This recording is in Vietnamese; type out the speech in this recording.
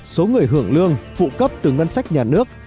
số người hưởng lương phụ cấp từ ngân sách nhà nước